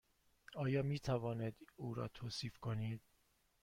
آیا می توانید او را توصیف کنید؟